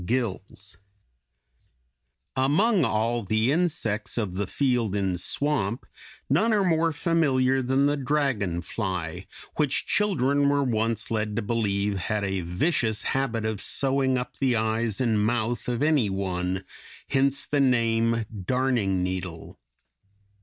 182. Springtail.] [Illustration: FIG. 183. May fly.] Among all the insects of the field and swamp none are more familiar than the dragon fly (Fig. 184), which children were once led to believe had a vicious habit of sewing up the eyes and mouth of any one; hence the name "darning needle."